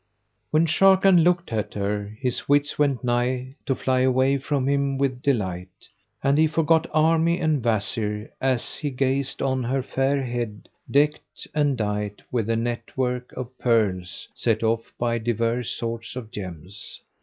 When Sharrkan looked at her his wits went nigh to fly away from him with delight; and he forgot army and Wazir as he gazed on her fair head decked and dight with a net work of pearls set off by divers sorts of gems.